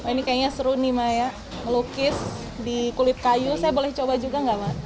ini kayaknya seru nih maya melukis di kulit kayu saya boleh coba juga nggak ma